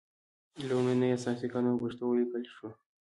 لومړنی اساسي قانون په پښتو ولیکل شول.